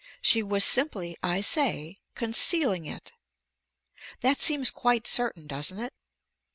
She was simply, I say, concealing it. That seems quite certain, doesn't it?